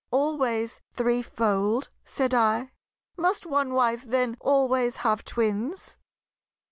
Always threefold?" said I. "Must one wife then always have twins?"